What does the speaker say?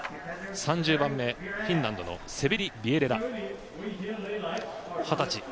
３０番目、フィンランドのセベリ・ビエレラ、二十歳。